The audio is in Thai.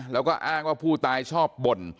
แล้วก็อ้างว่าผู้ตายชอบบ่น